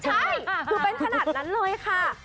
ใช่คือเป็นขนาดนั้นเลยค่ะ